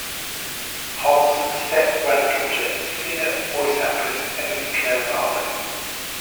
Homme's step-granddaughter is singer and voice actress Emilie-Claire Barlow.